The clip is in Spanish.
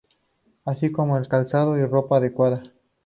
Así como calzado y ropa adecuada.